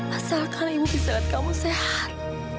asalkan ibu bisa lihat kamu sehat